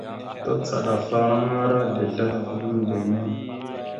Tacaɗafaŋara dezl ahaf gamənda enne.